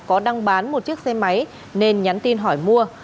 có đăng bán một chiếc xe máy nên nhắn tin hỏi mua